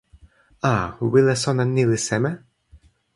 a, wile sona ni li seme?